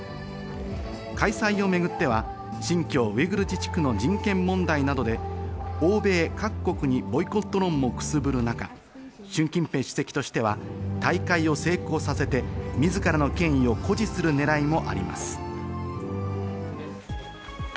開催をめぐっては新疆ウイグル自治区の人権問題などで欧米各国にボイコット論もくすぶる中、シュウ・キンペイ主席としては大会を成功させて自らの権威を誇示経済情報です。